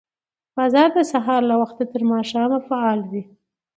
بازار د سهار له وخته تر ماښامه فعال وي